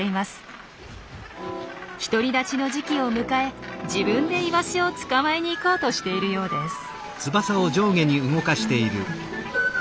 独り立ちの時期を迎え自分でイワシを捕まえに行こうとしているようです。